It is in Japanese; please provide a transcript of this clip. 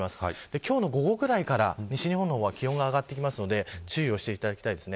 今日の午後くらいから西日本は気温が上がってくるので注意をしていただきたいです。